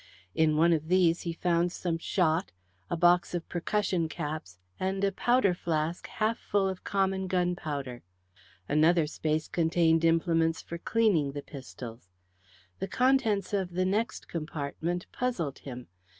In one of these he found some shot, a box of percussion caps, and a powder flask half full of common gunpowder. Another space contained implements for cleaning the pistols. The contents of the next compartment puzzled him.